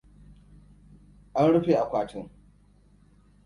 An rufe akwatin.